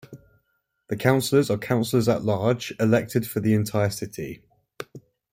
The councillors are councilors-at-large elected for the entire city.